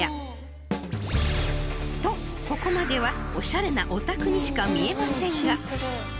［とここまではおしゃれなお宅にしか見えませんが］